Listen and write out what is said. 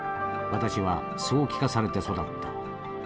私はそう聞かされて育った。